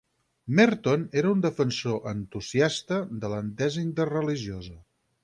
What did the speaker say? Merton era un defensor entusiasta de l'entesa interreligiosa.